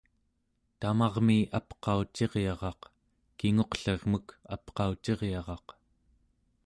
tamarmi apqaurciryaraq, kinguqlirmek apqaurciryaraq